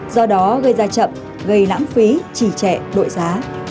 do đó gây ra chậm gây lãng phí chỉ trẻ đội giá